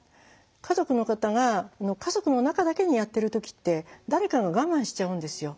家族の方が家族の中だけにやってる時って誰かが我慢しちゃうんですよ。